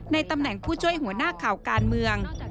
ตำแหน่งผู้ช่วยหัวหน้าข่าวการเมือง